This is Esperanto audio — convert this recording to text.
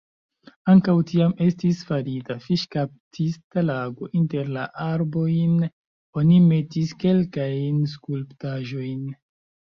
Ankaŭ tiam estis farita fiŝkaptista lago, inter la arbojn oni metis kelkajn skulptaĵojn.